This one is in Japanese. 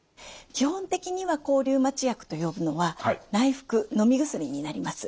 基本的には抗リウマチ薬と呼ぶのは内服のみ薬になります。